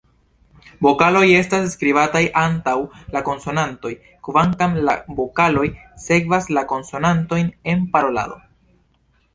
Vokaloj estas skribataj antaŭ la konsonantoj, kvankam la vokaloj sekvas la konsonantojn en parolado.